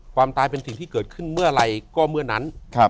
ความตายเป็นสิ่งที่เกิดขึ้นเมื่อไหร่ก็เมื่อนั้น